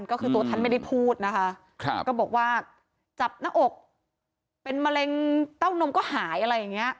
ก็คือตัวท่านไม่ได้พูดนะคะก็บอกว่าจับหน้าอกเป็นมะเร็งเต้านมก็หายอะไรอย่างนี้